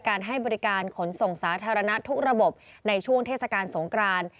ให้บริการขนส่งสาธารณะทุกระบบในช่วงเทศกาลสงคราน